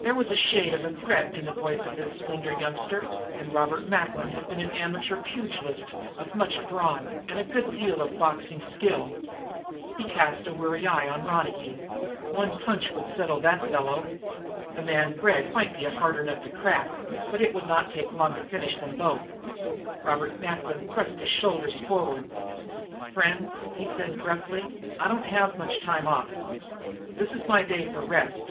There was just the shade of a threat in the voice of this slender youngster, and Robert Macklin had been an amateur pugilist of much brawn and a good deal of boxing skill. He cast a wary eye on Ronicky; one punch would settle that fellow. The man Gregg might be a harder nut to crack, but it would not take long to finish them both. Robert Macklin thrust his shoulders forward. "Friends," he said gruffly, "I don't have much time off. This is my day for rest.